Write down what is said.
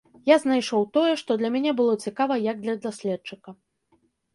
Я знайшоў тое, што для мяне было цікава як для даследчыка.